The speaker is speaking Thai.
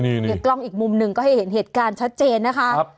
เนี่ยกล้องอีกมุมหนึ่งก็ให้เห็นเหตุการณ์ชัดเจนนะคะ